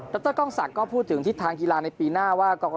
รกล้องศักดิ์ก็พูดถึงทิศทางกีฬาในปีหน้าว่า